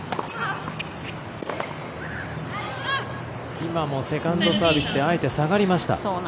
今もセカンドサービスであえて下がりました。